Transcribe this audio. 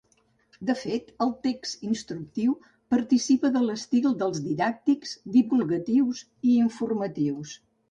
De fet, el text instructiu participa de l'estil dels didàctics, divulgatius i informatius.